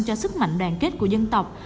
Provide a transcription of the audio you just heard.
và sức mạnh đoàn kết của dân tộc